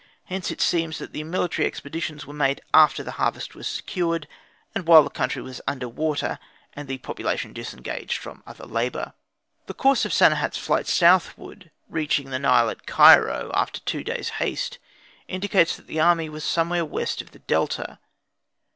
Hence it seems that the military expeditions were made after the harvest was secured, and while the country was under water and the population disengaged from other labour. The course of Sanehat's flight southward, reaching the Nile at Cairo after two days' haste, indicates that the army was somewhere west of the Delta.